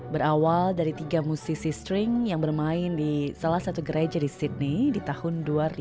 berawal dari tiga musisi string yang bermain di salah satu gereja di sydney di tahun dua ribu lima